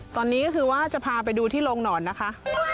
ตอนนี้ก็คือว่าจะพาไปดูที่โรงหนอนนะคะ